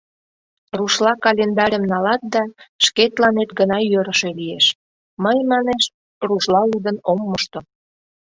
— Рушла календарьым налат да, шкетланет гына йӧрышӧ лиеш, мый, — манеш, — рушла лудын ом мошто.